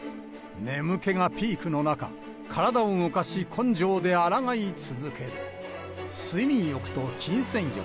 眠気がピークの中体を動かし根性であらがい続ける睡眠欲と金銭欲